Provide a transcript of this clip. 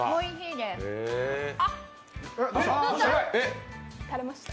あっ垂れました。